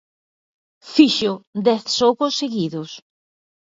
Fixo dez xogos seguidos.